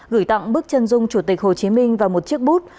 gửi tặng bức chân dung chủ tịch hồ chí minh vào một chiếc bút